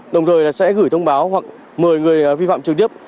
đồng thời sẽ gửi thông báo hoặc mời người vi phạm trực tiếp